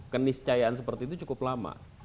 keniscayaan seperti itu cukup lama